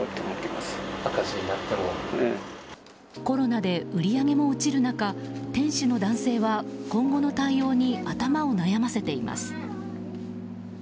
コロナで売り上げも落ちる中店主の男性は今後の対応に頭を悩ませています。